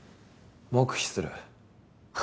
黙秘する。